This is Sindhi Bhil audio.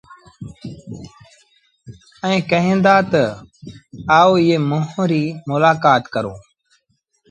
ائيٚݩ ڪهين دآ تا آئو ائيٚݩ مݩهݩ ريٚ مولآڪآت ڪرو